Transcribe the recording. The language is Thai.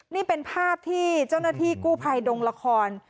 นี่เป็นภาพที่เจ้าหน้าที่กู้ภัยดงละคร